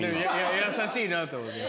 優しいなと思って。